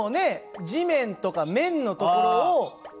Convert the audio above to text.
地面とか面のところをこう。